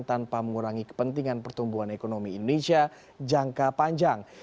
tanpa mengurangi kepentingan pertumbuhan ekonomi indonesia jangka panjang